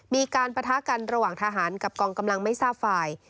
มีการปะทะกันระหว่างทหารกับกองกำลังไม่ทราบฝ่าย